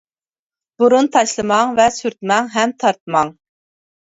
بۇرۇن تاشلىماڭ ۋە سۈرتمەڭ ھەم تارتماڭ.